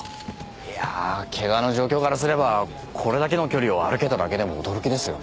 いやあ怪我の状況からすればこれだけの距離を歩けただけでも驚きですよ。